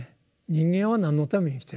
人間は何のために生きてるか。